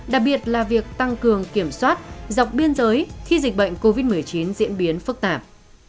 đặc biệt là việc tăng cường kiểm soát dọc biên giới khi dịch bệnh covid một mươi chín diễn biến phức tạp